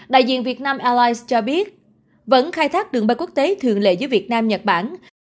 đại diện việt nam airlines cho biết vẫn khai thác đường bay quốc tế thường lệ giữa việt nam nhật bản